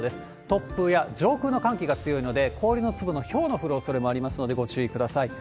突風や上空の寒気が強いので、氷の粒のひょうの降るおそれもありますので、ご注意ください。